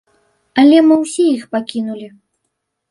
Але мы ўсе іх пакінулі.